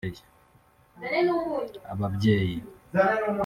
Ababyeyi